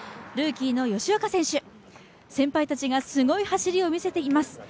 ルーキーの吉岡選手、先輩たちがすごい走りを見せています。